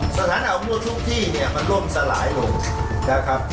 สถานออกมวลทุกที่เนี่ยมันร่วมสลายลง